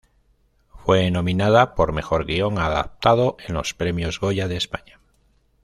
Fue nominada por mejor guión adaptado en los premios Goya de España.